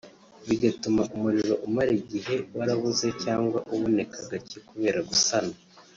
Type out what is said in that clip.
bigatuma umuriro umara igihe warabuze cyangwa uboneka gake kubera gusana”